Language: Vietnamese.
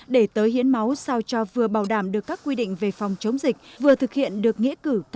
để tới hiến máu sao cho vừa bảo đảm được các quy định về phòng chống dịch